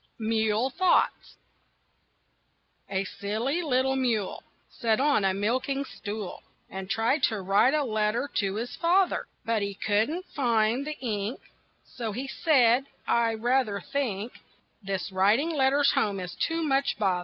MULE THOUGHTS A silly little mule Sat on a milking stool And tried to write a letter to his father. But he couldn't find the ink, So he said: "I rather think This writing letters home is too much bother."